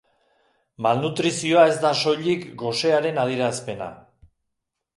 Malnutrizioa ez da soilik gosearen adierazpena.